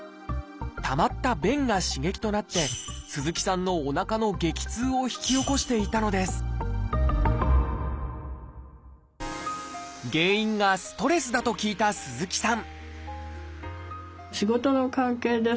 たまった便が刺激となって鈴木さんのおなかの激痛を引き起こしていたのです原因がストレスだと聞いた鈴木さん